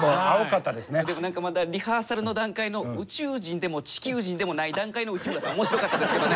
でも何かまだリハーサルの段階の宇宙人でも地球人でもない段階の内村さん面白かったですけどね。